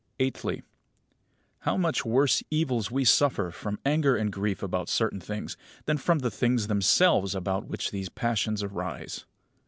Eighthly: How much worse evils we suffer from anger and grief about certain things than from the things themselves about which these passions arise.